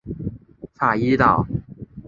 法伊岛。